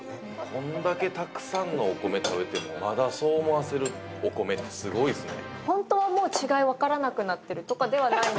こんだけたくさんのお米食べてもまだそう思わせるお米ってすごいですね。